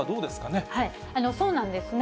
そうなんですね。